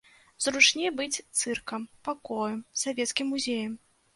Зручней быць цыркам, пакоем, савецкім музеем.